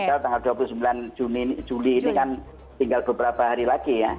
karena tanggal dua puluh sembilan juli ini kan tinggal beberapa hari lagi ya